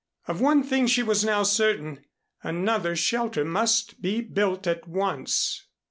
Of one thing she was now certain, another shelter must be built at once.